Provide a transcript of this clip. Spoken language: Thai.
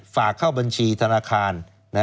ฝากเข้าบัญชีธนาคาร